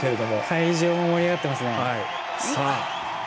会場も盛り上がってますね。